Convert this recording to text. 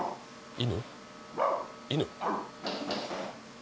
犬？